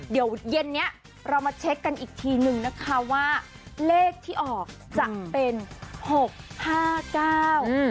เดี๋ยวเย็นเนี้ยเรามาเช็คกันอีกทีหนึ่งนะคะว่าเลขที่ออกจะเป็นหกห้าเก้าอืม